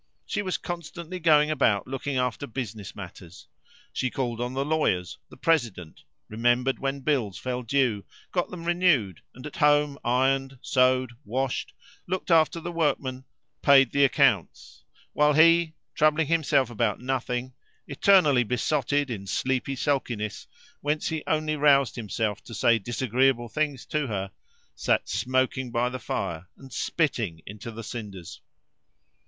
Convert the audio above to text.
She was constantly going about looking after business matters. She called on the lawyers, the president, remembered when bills fell due, got them renewed, and at home ironed, sewed, washed, looked after the workmen, paid the accounts, while he, troubling himself about nothing, eternally besotted in sleepy sulkiness, whence he only roused himself to say disagreeable things to her, sat smoking by the fire and spitting into the cinders.